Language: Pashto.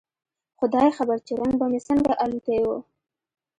خداى خبر چې رنگ به مې څنګه الوتى و.